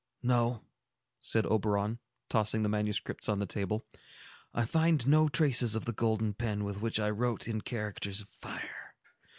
"No," said Oberon, tossing the manuscripts on the table. "I find no traces of the golden pen with which I wrote in characters of fire.